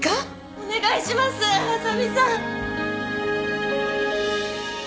お願いしますあさみさん。